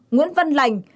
năm nguyễn văn lành